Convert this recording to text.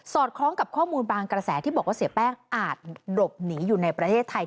คล้องกับข้อมูลบางกระแสที่บอกว่าเสียแป้งอาจหลบหนีอยู่ในประเทศไทย